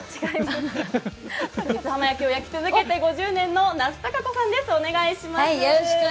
三津浜焼きを焼き続けて５０年の那須孝子さんにお願いします。